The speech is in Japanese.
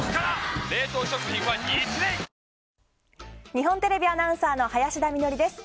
日本テレビアナウンサーの林田美学です。